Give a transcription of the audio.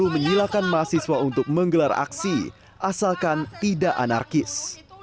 menyilakan mahasiswa untuk menggelar aksi asalkan tidak anarkis